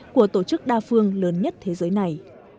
của tổ chức đa phương lớn nhất thế giới này